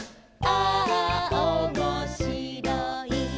「ああおもしろい」